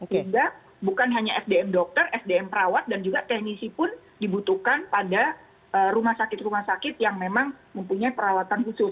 sehingga bukan hanya sdm dokter sdm perawat dan juga teknisi pun dibutuhkan pada rumah sakit rumah sakit yang memang mempunyai perawatan khusus